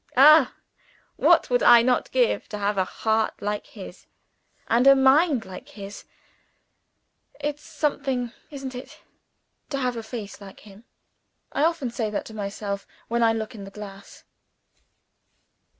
Ah, what would I not give to have a heart like his and a mind like his! It's something isn't it? to have a face like him. I often say that to myself when I look in the glass.